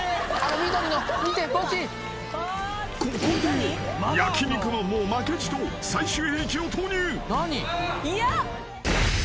［ここで焼肉マンも負けじと最終兵器を投入］